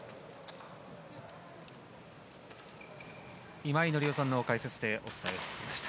今井紀夫さんの解説でお伝えをしてきました。